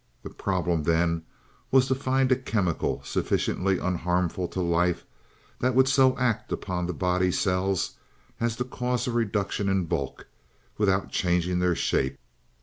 The problem, then, was to find a chemical, sufficiently unharmful to life, that would so act upon the body cells as to cause a reduction in bulk, without changing their shape.